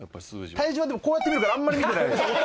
体重はでもこうやって見るからあんまり見てない。